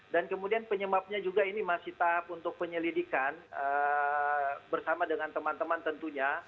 dan kemudian penyemabnya juga ini masih tahap untuk penyelidikan bersama dengan teman teman tentunya